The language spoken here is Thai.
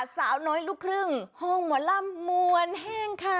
สาวน้อยลูกครึ่งห้องหมอลำมวลแห้งค่ะ